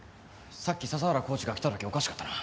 さっき笹原コーチが来た時おかしかったな。